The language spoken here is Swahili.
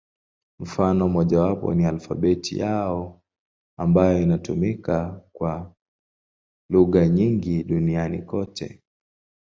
Mfano mmojawapo ni alfabeti yao, ambayo inatumika kwa lugha nyingi duniani kote.